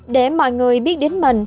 để mọi người biết đến mình